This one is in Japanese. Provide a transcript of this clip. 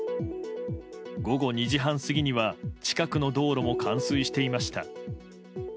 午後２時半過ぎには近くの道路も冠水していました。